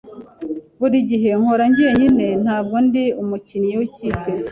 Buri gihe nkora njyenyine. Ntabwo ndi umukinnyi w'ikipe.